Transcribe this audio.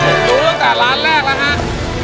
ตัวลูกจะร้านแรกนะฮะ